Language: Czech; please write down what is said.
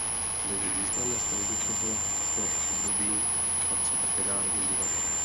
Mezi významné stavby tohoto období patří také Národní divadlo.